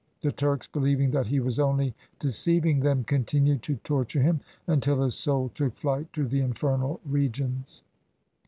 The Turks believing that he was only deceiving them continued to torture him until his soul took flight to the infernal regions.